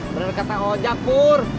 bener kata ngajak pur